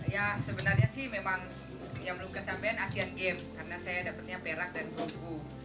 ya sebenarnya sih memang yang belum kesampaian asian games karena saya dapatnya perak dan perunggu